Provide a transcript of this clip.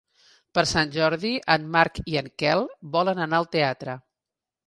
Per Sant Jordi en Marc i en Quel volen anar al teatre.